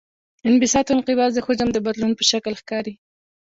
انبساط او انقباض د حجم د بدلون په شکل ښکاري.